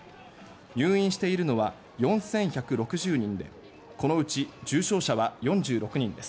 入院しているのは４１６０人でこのうち重症者は４６人です。